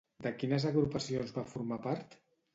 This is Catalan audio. De quines agrupacions va formar part?